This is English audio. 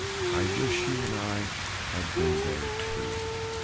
I wish you and I had been there too.